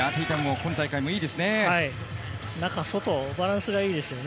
今大会もいいですね。